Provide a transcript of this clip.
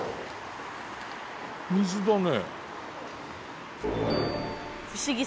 水だね。